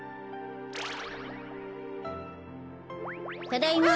ただいま。